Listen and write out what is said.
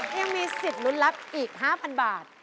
ยังมีสิทธิ์ลุ้นรับอีก๕๐๐บาท